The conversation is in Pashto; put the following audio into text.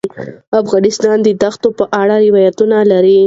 افغانستان د دښتو په اړه روایتونه لري.